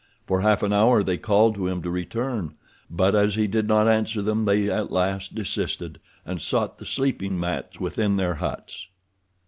For half an hour they called to him to return, but as he did not answer them they at last desisted, and sought the sleeping mats within their huts.